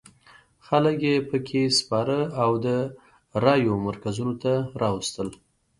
خلک یې په کې سپاره او د رایو مرکزونو ته راوستل.